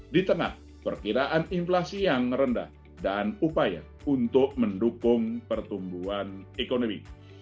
di tengah perkiraan inflasi yang rendah dan upaya untuk mendukung pertumbuhan ekonomi